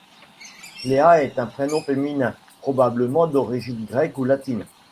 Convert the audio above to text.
Cléa est un prénom féminin, probablement d'origine grecque ou latine.